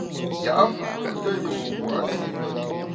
Ya’fu kuteyùm pua’ si.